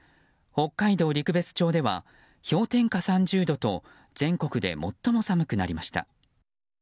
北海道陸別町では氷点下３０度と全国で最も寒くなりました。